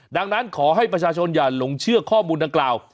ดังนั้นขอให้ประชาชนอย่าหลงเชื่อข้อมูลดังกล่าว